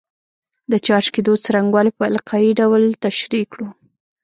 د چارج کېدو څرنګوالی په القايي ډول تشریح کړو.